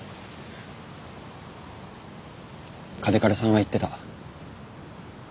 嘉手刈さんは言ってた。